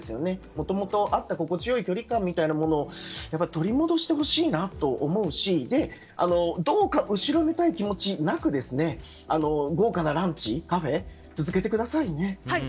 もともとあった心地良い距離感みたいなものを取り戻してほしいなと思うしどうか後ろめたい気持ちなく豪華なランチ、カフェ続けてくださいね。